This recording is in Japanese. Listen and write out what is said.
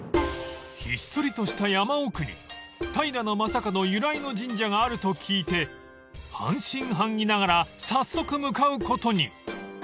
［ひっそりとした山奥に平将門由来の神社があると聞いて半信半疑ながら早速向かうことに］